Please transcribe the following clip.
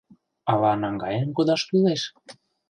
Ала наҥгаен кодаш кӱлеш?